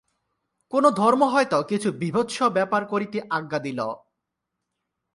কোন ধর্ম হয়তো কিছু বীভৎস ব্যাপার করিতে আজ্ঞা দিল।